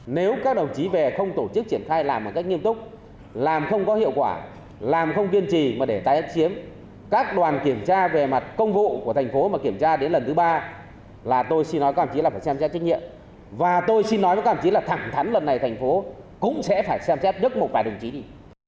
nếu các đồng chí về không tổ chức triển khai làm một cách nghiêm túc làm không có hiệu quả làm không kiên trì mà để tái chiếm các đoàn kiểm tra về mặt công vụ của thành phố mà kiểm tra đến lần thứ ba là tôi xin nói các đồng chí là phải xem xét trách nhiệm và tôi xin nói với các đồng chí là thẳng thắn lần này thành phố cũng sẽ phải xem xét đức một vài đồng chí đi